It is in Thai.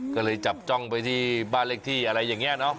ก็เลยจับจ้องไปที่บ้านเลขที่อะไรอย่างนี้เนอะ